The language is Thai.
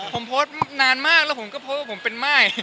ผมโพสต์นานมากแล้วผมโพสต์เป็นไม่